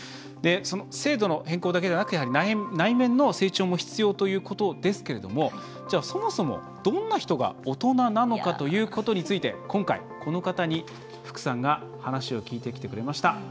その制度の変更だけじゃなく内面の成長も必要ということですがそもそもどんな人が大人なのかということについて今回、この方に福さんが話を聞いてきてくれました。